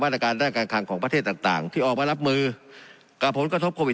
ตรการด้านการคังของประเทศต่างต่างที่ออกมารับมือกับผลกระทบโควิด